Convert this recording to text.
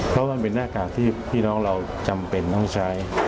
เพราะมันเป็นหน้ากากที่พี่น้องเราจำเป็นต้องใช้